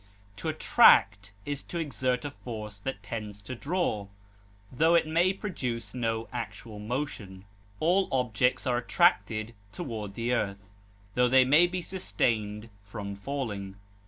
To attract is to exert a force that tends to draw, tho it may produce no actual motion; all objects are attracted toward the earth, tho they may be sustained from falling.